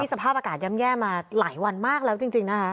สภาพอากาศย่ำแย่มาหลายวันมากแล้วจริงนะคะ